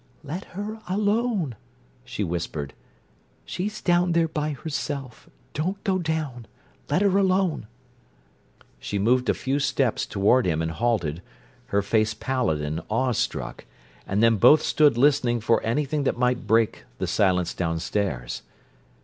"Let her alone," she whispered. "She's down there by herself. Don't go down. Let her alone." She moved a few steps toward him and halted, her face pallid and awestruck, and then both stood listening for anything that might break the silence downstairs.